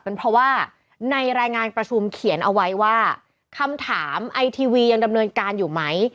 เป็นเพราะว่าในรายงานประชุมเขียนเอาไว้ว่าคำถามไอทีวียังดำเนินการอยู่ไหม